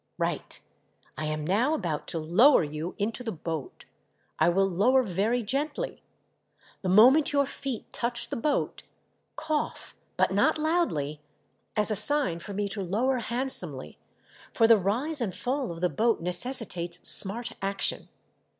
" Right. I am now about to lower you MY POOR DARLING. 493 into the boat. I will lower very gently. The moment your feet touch the boat, cough •— but not loudly — as a sign for me to lower handsomely, for the rise and fall of the boat necessitates smart action.